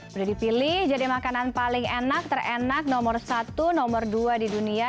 sudah dipilih jadi makanan paling enak terenak nomor satu nomor dua di dunia